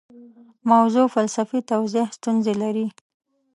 موضوع فلسفي توضیح ستونزې لري.